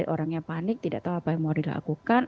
orangnya panik tidak tahu apa yang mau dilakukan